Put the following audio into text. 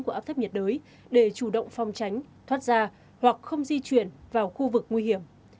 của áp thấp nhiệt đới để chủ động phong tránh thoát ra hoặc không di chuyển vào khu vực nguy hiểm